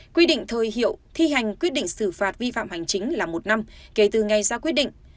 quy định thời hiệu thi hành quyết định xử phạt vi phạm hành chính là một năm kể từ ngày ra quyết định